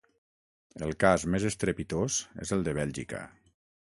El cas més estrepitós és el de Bèlgica.